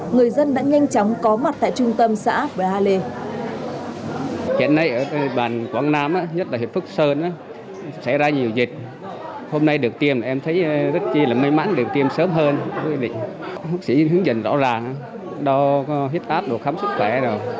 người dân đã nhanh chóng có mặt tại trung tâm xã bờ hà lê